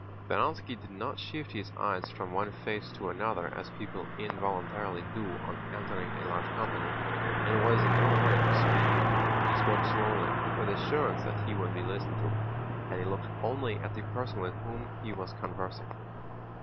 Speránski did not shift his eyes from one face to another as people involuntarily do on entering a large company and was in no hurry to speak. He spoke slowly, with assurance that he would be listened to, and he looked only at the person with whom he was conversing.